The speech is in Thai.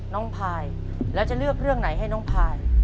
พายแล้วจะเลือกเรื่องไหนให้น้องพาย